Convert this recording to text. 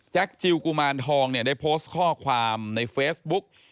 จิลกุมารทองเนี่ยได้โพสต์ข้อความในเฟซบุ๊ก